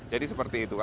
jadi seperti itu